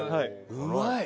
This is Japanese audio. うまい！